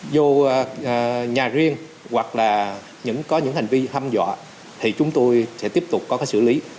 dù nhà riêng hoặc là có những hành vi hâm dọa thì chúng tôi sẽ tiếp tục có cái xử lý